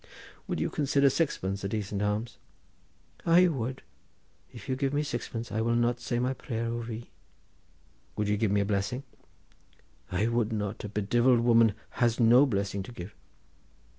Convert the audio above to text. "Would you consider sixpence a decent alms?" "I would. If you give me sixpence, I will not say my prayer over ye." "Would you give me a blessing?" "I would not. A bedivilled woman has no blessing to give."